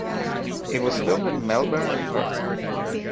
It was filmed in Melbourne and Perth.